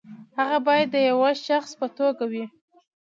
هغه باید د یوه شخص په توګه وي.